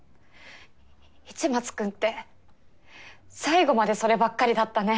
市松君って最後までそればっかりだったね。